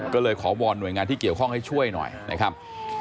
ก็เลยขอวอนหน่วยงานที่เกี่ยวข้องให้ช่วยหน่อยนะครับ